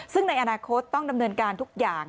ซึ่งในอนาคตต้องดำเนินการทุกอย่าง